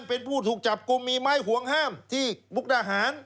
เป็นผู้ถูกจับกลุ่มมีไม้ห่วงห้ามที่มุกดาหาร